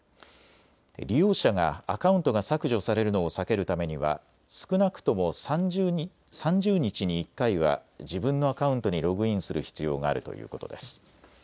利用者がアカウントが削除されるのを避けるためには少なくとも３０日に１回は自分のアカウントにログインする必要があるということです。